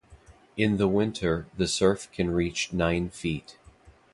In the winter the surf can reach nine feet.